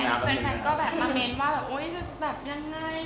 แฟนก็แบบมาเมนว่าอย่างไรหรือยังเนี้ย